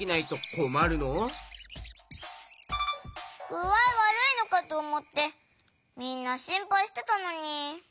ぐあいわるいのかとおもってみんなしんぱいしてたのに。